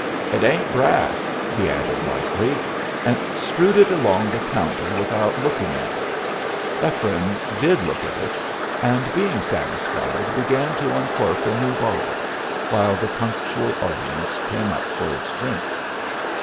"It ain't brass," he added, lightly, and strewed it along the counter without looking at it. Ephraim did look at it, and, being satisfied, began to uncork a new bottle, while the punctual audience came up for its drink.